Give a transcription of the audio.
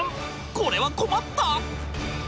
これは困った！